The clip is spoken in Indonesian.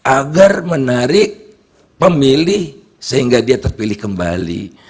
agar menarik pemilih sehingga dia terpilih kembali